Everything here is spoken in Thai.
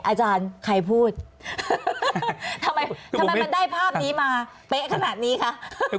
อาจารย์ใครพูดทำไมทำไมมันได้ภาพนี้มาเป๊ะขนาดนี้คะ